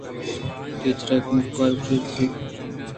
ٹیچر ءَ کمکار ءِ گوش ژپّ اِتءُگوٛشت